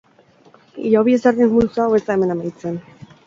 Hilobi ezberdin multzo hau ez da hemen amaitzen.